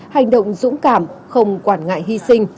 hành động dũng cảm không quản ngại hy sinh